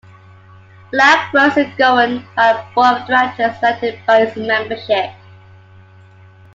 Black Rose is governed by a board of directors elected by its membership.